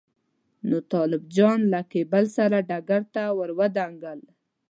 نو طالب جان له کېبل سره ډګر ته راودانګل.